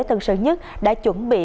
tân sơn nhất đã chuẩn bị